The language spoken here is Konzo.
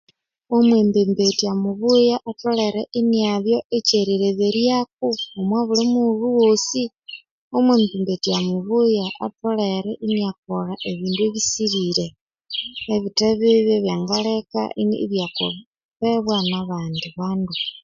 Omwembembetya mubuya atholhere inabya kyelireberyako omwabulhi mughulhu ghosi omwembembetya mubuya atholhere inakolha ebindu ebisihire ebithe bibi ebyangalheka ebyakolhebwa nabandi bandu